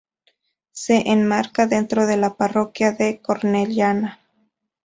Se enmarca dentro de la parroquia de Cornellana.